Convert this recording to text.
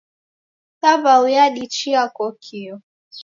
Saw'au radichia kokio